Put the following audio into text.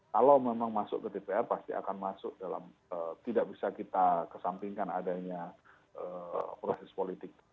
kalau memang masuk ke dpr pasti akan masuk dalam tidak bisa kita kesampingkan adanya proses politik